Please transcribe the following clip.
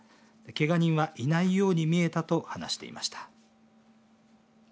けが人はいないように見えたと話していました。